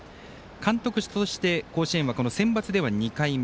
監督として甲子園はセンバツでは２回目。